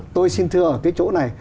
tôi xin thưa ở cái chỗ này